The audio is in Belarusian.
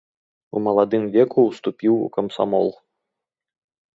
У маладым веку ўступіў у камсамол.